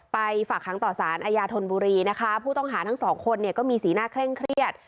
ไปฝากหังต่อสารอยาทลบุรีผู้ต้องหาทั้งสองก็มีสีหน้าเคร่งเครียด